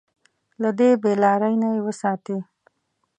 له دې بې لارۍ نه يې وساتي.